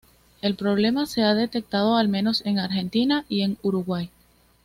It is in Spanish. El problema se ha detectado al menos en Argentina y en Uruguay.